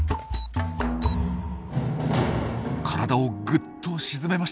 体をぐっと沈めました。